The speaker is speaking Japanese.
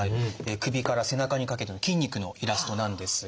首から背中にかけての筋肉のイラストなんですが。